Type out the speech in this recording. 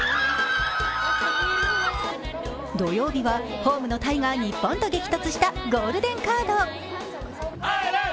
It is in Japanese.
土曜日はホームのタイが日本と激突したゴールデンカード。